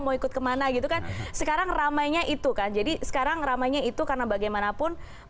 mau ikut kemana gitu kan